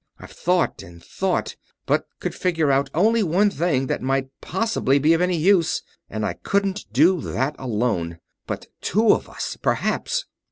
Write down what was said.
I've thought and thought, but could figure out only one thing that might possibly be of any use, and I couldn't do that alone. But two of us, perhaps...."